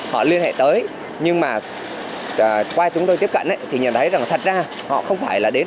họ liên hệ tới nhưng mà qua chúng tôi tiếp cận thì nhận thấy rằng thật ra họ không phải là đến